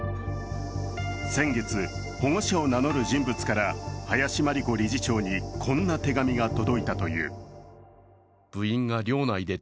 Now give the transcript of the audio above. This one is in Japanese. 先月、保護者を名乗る人物から林真理子理事長にこんな手紙が届いたという。